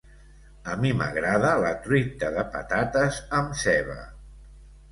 A mi m'agrada la truita de patates amb ceba.